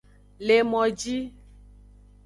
Le moji.